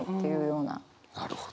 なるほど。